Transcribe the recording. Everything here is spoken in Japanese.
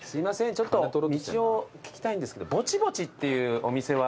ちょっと道を聞きたいんですけどぼちぼちっていうお店は。